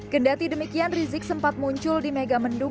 kendati demikian rizik sempat muncul di megamendung